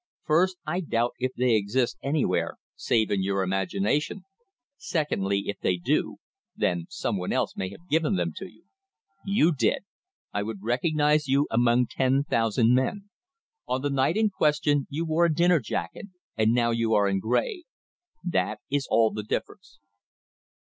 First, I doubt if they exist anywhere save in your imagination; secondly, if they do, then someone else may have given them to you." "You did. I would recognize you among ten thousand men. On the night in question you wore a dinner jacket, and now you are in grey. That is all the difference."